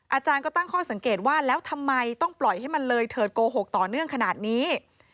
อาจารย์ก็ตั้งข้อสังเกตว่าแล้วทำไมต้องปล่อยให้มันเลยเถิดโกหกต่อเนื่องขนาดนี้